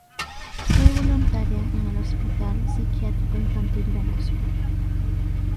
Fue voluntaria en el Hospital Psiquiátrico Infantil de Moscú.